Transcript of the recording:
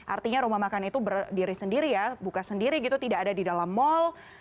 artinya rumah makan itu berdiri sendiri ya buka sendiri gitu tidak ada di dalam mal